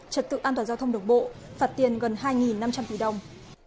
trật tự an toàn giao thông đường bộ phạt tiền gần hai năm trăm linh tỷ đồng